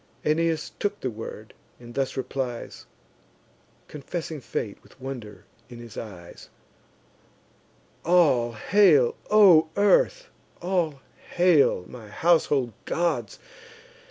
Aeneas took the word, and thus replies, Confessing fate with wonder in his eyes: "All hail, O earth! all hail, my household gods!